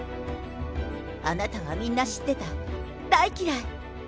あなたはみんな知ってた、大嫌い！